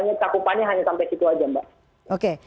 jadi cakupannya hanya sampai situ saja mbak